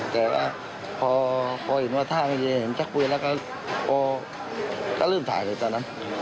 แต่พอเห็นว่าทางเห็นชักปืนแล้วก็เริ่มถ่ายเลยตอนนั้น